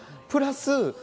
プラス